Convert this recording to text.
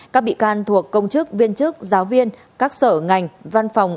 các bị can thuộc công chức viên chức giáo viên các sở ngành văn phòng